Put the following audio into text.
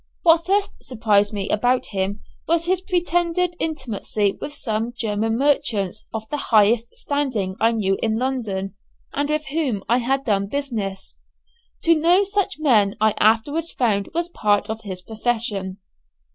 What first surprised me about him was his pretended intimacy with some German merchants of the highest standing I knew in London, and with whom I had done business. To know such men I afterwards found was part of his profession.